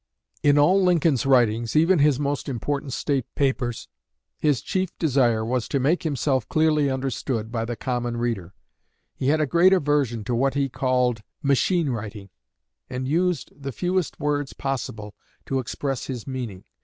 '" In all Lincoln's writings, even his most important state papers, his chief desire was to make himself clearly understood by the common reader. He had a great aversion to what he called "machine writing," and used the fewest words possible to express his meaning.